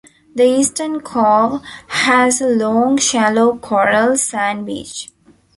The eastern cove has a long shallow coral sand beach.